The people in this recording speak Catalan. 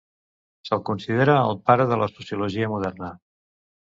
Se'l considera el pare de la sociologia moderna.